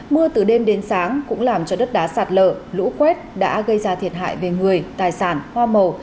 mưa từ đêm đến sáng cũng làm cho đất đá sạt lở lũ quét đã gây ra thiệt hại về người tài sản hoa màu